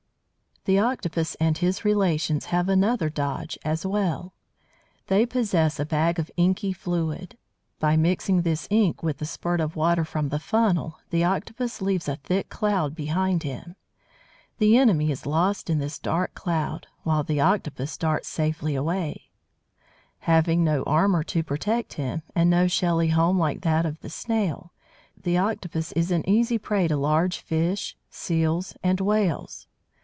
The Octopus and his relations have another dodge as well. They possess a bag of inky fluid. By mixing this ink with the spurt of water from the funnel, the Octopus leaves a thick cloud behind him. The enemy is lost in this dark cloud, while the Octopus darts safely away. [Illustration: THE OCTOPUS A MONSTER OF THE DEEP] Having no armour to protect him, and no shelly home like that of the snail, the Octopus is an easy prey to large fish, Seals and Whales.